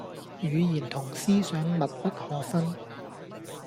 語言同思想密不可分